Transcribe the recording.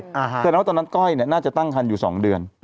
เพราะฉะนั้นว่าตอนนั้นก้อยเนี่ยน่าจะตั้งฮันอยู่สองเดือน